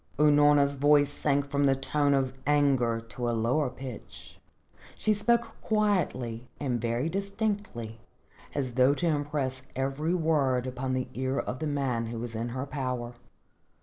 Unorna's voice sank from the tone of anger to a lower pitch. She spoke quietly and very distinctly as though to impress every word upon the ear of the man who was in her power.